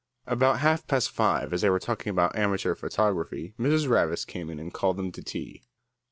About half past five, as they were talking about amateur photography, Mrs. Ravis came in and called them to tea.